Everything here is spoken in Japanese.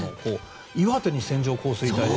岩手に線状降水帯が。